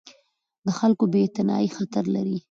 د خلکو بې اعتنايي خطر لري